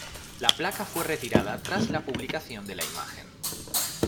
La placa fue retirada tras la publicación de la imagen.